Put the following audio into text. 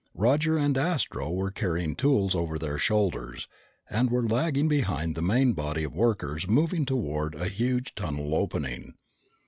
Roger and Astro were carrying tools over their shoulders and were lagging behind the main body of workers moving toward a huge tunnel opening.